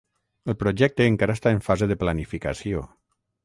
El projecte encara està en fase de planificació.